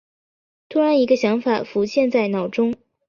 忽然一个想法浮现在脑中